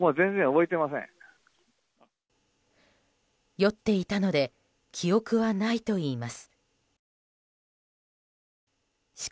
酔っていたので記憶はないといいます。